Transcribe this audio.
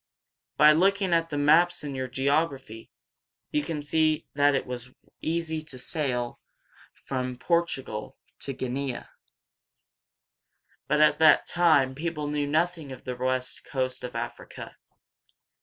By looking at the maps in your geography, you can see that it was easy to sail from Portugal to Guinea; but at that time people knew nothing of the west coast of Africa.